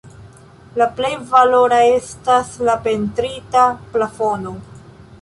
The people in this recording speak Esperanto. La plej valora estas la pentrita plafono.